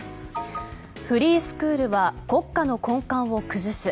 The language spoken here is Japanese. フリースクールは国家の根幹を崩す。